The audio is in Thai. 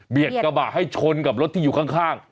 กระบะให้ชนกับรถที่อยู่ข้าง